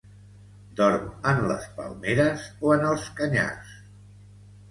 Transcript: Dorm en les palmeres o en els canyars.